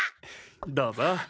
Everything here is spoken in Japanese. どうぞ。